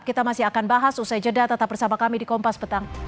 kita masih akan bahas usai jeda tetap bersama kami di kompas petang